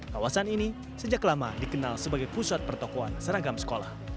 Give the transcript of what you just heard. kawasan ini sejak lama dikenal sebagai pusat pertokohan seragam sekolah